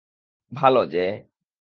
ভালো, জ্যায়।